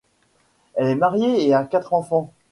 Elle est mariée et a quatre enfants.